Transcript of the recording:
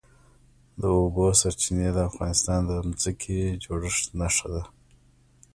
د اوبو سرچینې د افغانستان د ځمکې د جوړښت نښه ده.